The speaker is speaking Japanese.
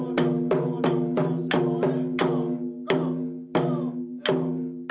・それ！